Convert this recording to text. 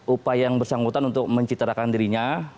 upaya yang bersangkutan untuk mencitrakan dirinya